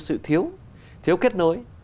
sự thiếu thiếu kết nối